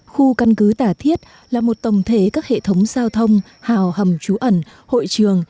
khu căn cứ tà thiết là một tổng thể các hệ thống giao thông hào hầm trú ẩn hội trường